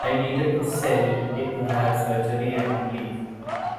I needed to sell it to have surgery and to live.